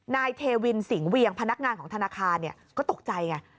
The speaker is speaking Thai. นายเทวินสิงหเวียงพนักงานของธนาคารก็ตกใจไง